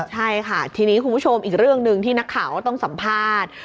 ใช่ค่ะทีนี้คุณผู้ชมอีกเรื่องหนึ่งที่นักข่าวก็ต้องสัมภาษณ์